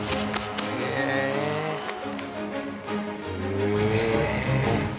へえ！